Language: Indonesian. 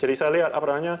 jadi saya lihat